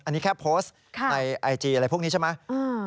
อันนี้แค่โพสต์ในไอจีอะไรพวกนี้ใช่ไหม